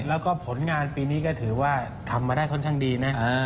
แล้วก็ผลงานปีนี้ก็ถือว่าทำมาได้ค่อนข้างดีนะ